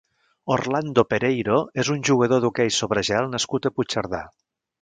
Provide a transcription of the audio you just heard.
Orlando Pereiro és un jugador d'hoquei sobre gel nascut a Puigcerdà.